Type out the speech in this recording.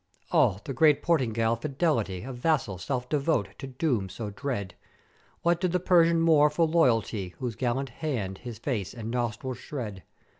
"Oh the great Portingall fidelity of Vassal self devote to doom so dread! What did the Persian more for loyalty whose gallant hand his face and nostrils shred?